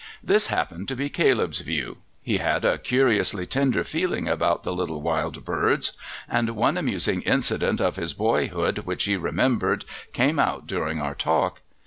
This happened to be Caleb's view. He had a curiously tender feeling about the little wild birds, and one amusing incident of his boyhood which he remembered came out during our talk.